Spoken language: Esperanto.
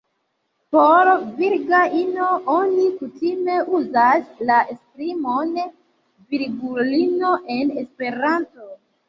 Por virga ino oni kutime uzas la esprimon "virgulino" en Esperanto.